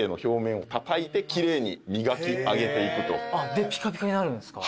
でピカピカになるんですか。